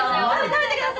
食べてください。